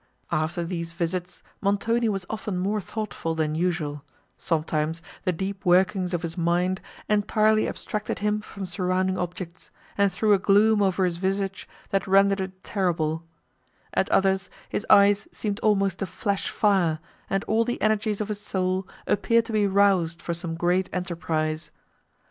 After these visits, Montoni was often more thoughtful than usual; sometimes the deep workings of his mind entirely abstracted him from surrounding objects, and threw a gloom over his visage that rendered it terrible; at others, his eyes seemed almost to flash fire, and all the energies of his soul appeared to be roused for some great enterprise.